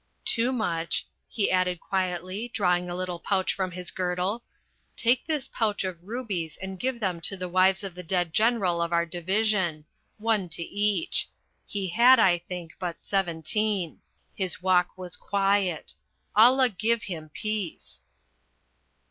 Toomuch," he added quietly, drawing a little pouch from his girdle, "take this pouch of rubies and give them to the wives of the dead general of our division one to each. He had, I think, but seventeen. His walk was quiet. Allah give him peace."